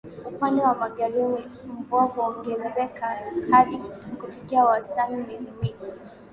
Upande wa Magharibi mvua huongezeka hadi kufikia wastani milimeta